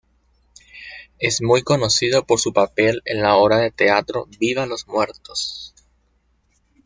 Es muy conocido por su papel en la obra de teatro "¡Vivan los muertos!".